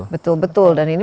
betul betul dan ini